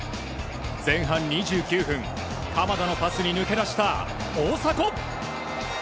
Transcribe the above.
前半２９分鎌田のパスに抜け出した大迫。